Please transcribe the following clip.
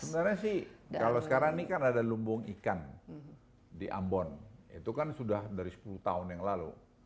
sebenarnya sih kalau sekarang ini kan ada lumbung ikan di ambon itu kan sudah dari sepuluh tahun yang lalu